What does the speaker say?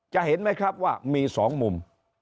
เห็นไหมครับว่ามี๒มุม